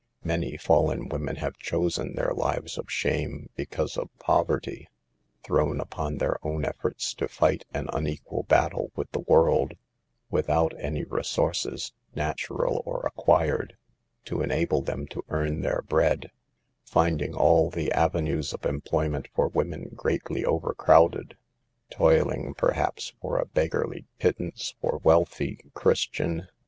Many fallen women have chosen their lives of shame because of poverty. Thrown upon their own efforts to fight an unequal battle with the world, without any resources, natural or acquired, to enable them to earn their bread, finding all the avenues of employment for women greatly overcrowded, toiling, per haps, for a beggarly pittance for wealthy CAUSES OF THE SOCIAL EVIL. 3? Christian